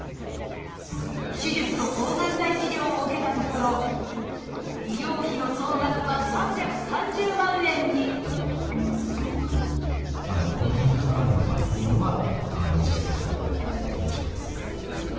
手術と抗がん剤治療を受けたところ医療費の総額は３３０万円にっていうのが実際の印象です。